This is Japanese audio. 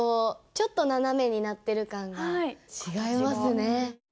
ちょっと斜めになってる感が違いますね。